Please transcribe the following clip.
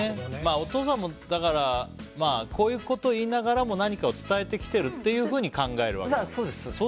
お父さんもこういうこと言いながらも何かを伝えてきてるっていうふうに考えるわけ？